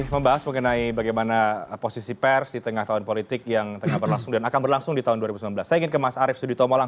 kami akan segera kembali